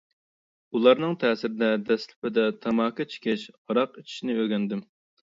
ئۇلارنىڭ تەسىرىدە دەسلىپىدە تاماكا چېكىش، ھاراق ئىچىشنى ئۆگەندىم.